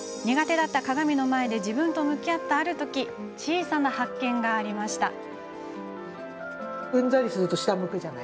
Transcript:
苦手だった鏡の前で自分と向き合ったあるとき小さな発見がありました。